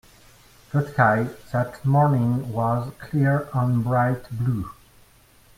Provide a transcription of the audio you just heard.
The sky that morning was clear and bright blue.